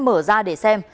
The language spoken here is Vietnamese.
mở ra để xem